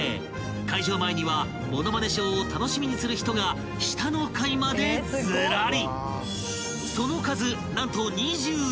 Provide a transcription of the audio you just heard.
会場前にはモノマネショーを楽しみにする人が下の階までずらり］